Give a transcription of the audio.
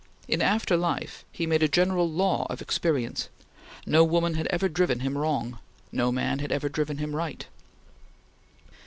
In after life he made a general law of experience no woman had ever driven him wrong; no man had ever driven him right.